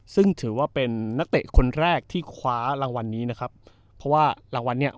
ซึ่งถือว่าเป็นนักเตะคนแรกที่คว้ารางวัลนี้นะครับเพราะว่ารางวัลเนี่ย